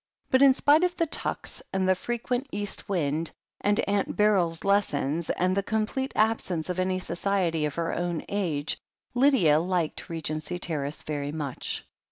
But in spite of the tucks, and the frequent east wind, and Atint Beryl's lessons, and the complete absence of any society of her own age, Lydia liked Regency Ter race very much.